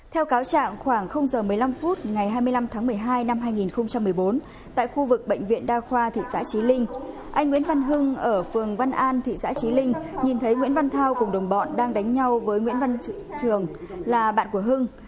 theo cáo trạng khoảng giờ một mươi năm phút ngày hai mươi năm tháng một mươi hai năm hai nghìn một mươi bốn tại khu vực bệnh viện đa khoa thị xã trí linh anh nguyễn văn hưng ở phường văn an thị xã trí linh nhìn thấy nguyễn văn thao cùng đồng bọn đang đánh nhau với nguyễn văn trường là bạn của hưng